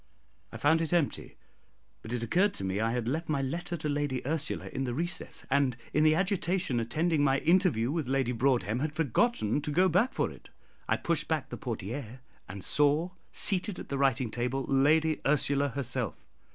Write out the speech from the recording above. I found it empty, but it occurred to me I had left my letter to Lady Ursula in the recess, and in the agitation attending my interview with Lady Broadhem, had forgotten to go back for it. I pushed back the portière, and saw seated at the writing table Lady Ursula herself.